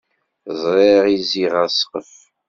Ẓriɣ izi ɣer ssqef